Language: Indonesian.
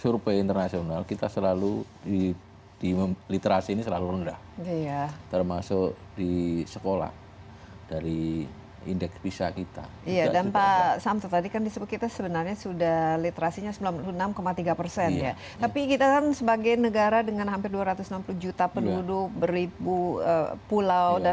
literasi yang memprihatinkan justru